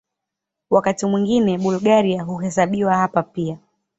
Wakati mwingine Bulgaria huhesabiwa hapa pia.